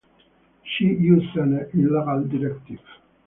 She issued an illegal directive.